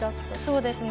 そうですね。